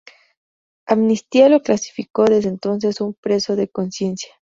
Amnistía lo clasificó desde entonces un preso de conciencia.